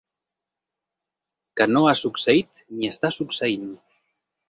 Que no ha succeït ni està succeint.